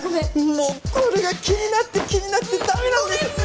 もうこれが気になって気になってダメなんですごめん